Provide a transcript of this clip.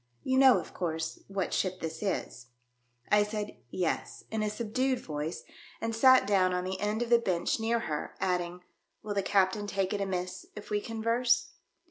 "You know, of course, what ship this is ?" I said "Yes," in a subdued voice, and sat down on the end of the bench near her, adding, " Will the captain take it amiss if we converse